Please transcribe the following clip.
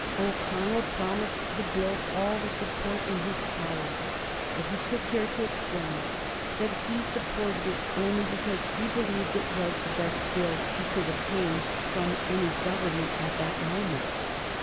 O'Connell promised the Bill all the support in his power, but he took care to explain that he supported it only because he believed it was the best Bill he could obtain from any Government at that moment.